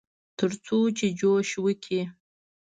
ترڅو چې جوښ وکړي.